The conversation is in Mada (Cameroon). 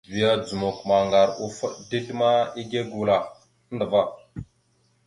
Vya dzomok maŋgar offoɗ dezl ma igégula andəva.